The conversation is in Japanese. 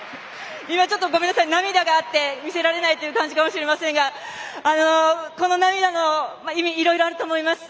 ごめんなさい、今涙があって見せられないという感じかもしれませんがこの涙の意味いろいろあると思います。